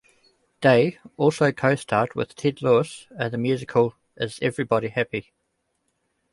Day also co-starred with Ted Lewis in the musical Is Everybody Happy?